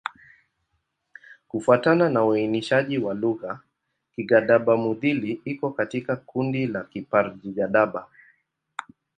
Kufuatana na uainishaji wa lugha, Kigadaba-Mudhili iko katika kundi la Kiparji-Gadaba.